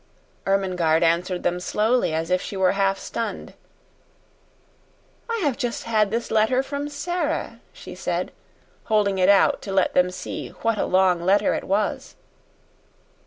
Ermengarde answered them slowly as if she were half stunned. "I have just had this letter from Sara," she said, holding it out to let them see what a long letter it was.